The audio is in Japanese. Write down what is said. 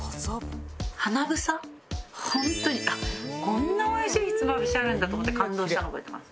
ホントにこんなに美味しいひつまぶしあるんだと思って感動したの覚えてます。